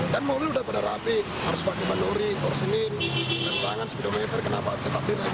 dan mau dulu sudah pada rapi harus pakai bandori korsinin perutangan speedometer kenapa tetap tidak